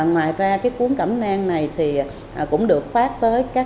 ngoài ra cái cuốn cẩm nan này thì cũng được phát tới các gia đình